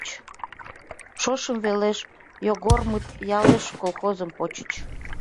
Шошым велеш Йогормыт ялеш колхозым почыч.